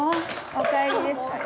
お帰りですかい？